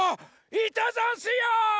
いたざんすよ！